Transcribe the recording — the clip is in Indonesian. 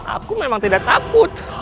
aku memang tidak takut